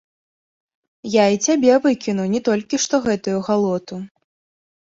Я і цябе выкіну, не толькі што гэтую галоту!